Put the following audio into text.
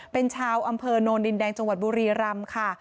เป็นชาวอำเภอโนนดินแดงจังหวัดบุรีรำค่ะ